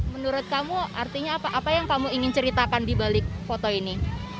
menurut kamu artinya apa yang kamu ingin ceritakan di balik foto ini